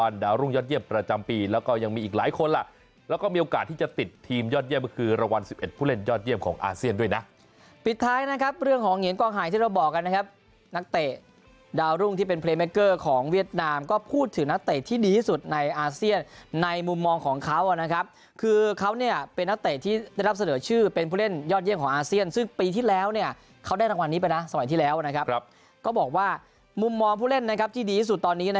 แล้วหายที่เราบอกกันนะครับนักเตะดาวรุ่งที่เป็นเพลย์แมคเกอร์ของเวียดนามก็พูดถึงนักเตะที่ดีที่สุดในอาเซียนในมุมมองของเขานะครับคือเขาเป็นนักเตะที่ได้รับเสนอชื่อเป็นผู้เล่นยอดเยี่ยมของอาเซียนซึ่งปีที่แล้วเขาได้รางวัลนี้ไปนะสมัยที่แล้วนะครับก็บอกว่ามุมมองผู้เล่นที่ดีที่สุดตอนนี้นะ